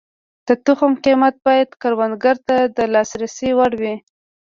د تخم قیمت باید کروندګر ته د لاسرسي وړ وي.